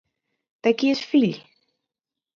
De qui és fill?